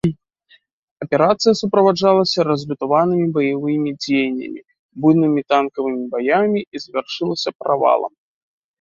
Аперацыя суправаджалася разлютаванымі баявымі дзеяннямі, буйнымі танкавымі баямі і завяршылася правалам.